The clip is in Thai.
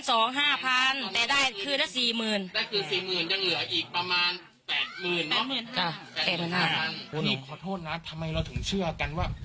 นี่ขอโทษนะทำไมเราถึงเชื่อกันว่า